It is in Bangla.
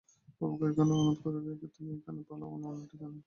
বাবুকে ওইখানেই অনাথ করে রেখে তুমি এখনই পালাও অন্য ঠিকানায়।